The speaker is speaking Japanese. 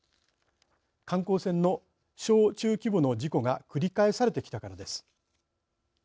観光船の小中規模の事故が繰り返されてきたからです。